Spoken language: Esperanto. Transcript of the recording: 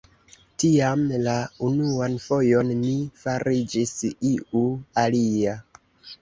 Tiam la unuan fojon mi fariĝis iu alia.